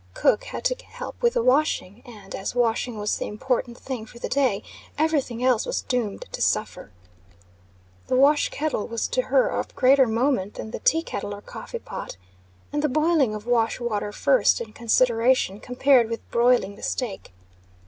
Cook had to help with the washing, and, as washing was the important thing for the day, every thing else was doomed to suffer. The wash kettle was to her of greater moment than the tea kettle or coffee pot; and the boiling of wash water first in consideration, compared with broiling the steak.